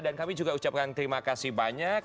dan kami juga ucapkan terima kasih banyak